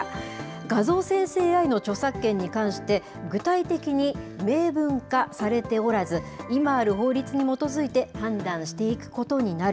画像生成ＡＩの著作権に関して、具体的に明文化されておらず、今ある法律に基づいて判断していくことになる。